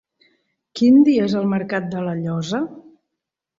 Quin dia és el mercat de La Llosa?